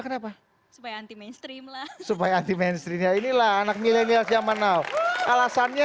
kenapa supaya anti mainstream lah supaya anti mainstream ya inilah anak milenial zaman now alasannya